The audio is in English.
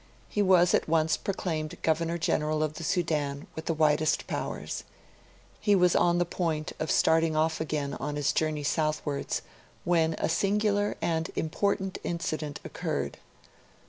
He was at once proclaimed Governor General of the Sudan, with the widest powers. He was on the point of starting off again on his journey southwards, when a singular and important incident occurred.